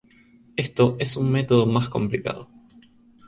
Esto es un método más complicado